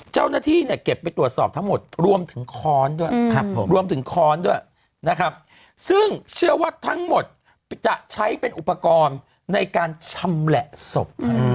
เจ้าหน้าที่เก็บไปตรวจสอบทั้งหมดรวมถึงค้อนด้วยซึ่งเชื่อว่าทั้งหมดจะใช้เป็นอุปกรณ์ในการชำแหละศพ